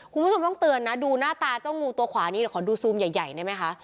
คุณผู้ชมต้องเตือนนะดูหน้าตาเจ้างูตัวขวานี้เดี๋ยวขอดูซูมใหญ่ได้ไหมคะ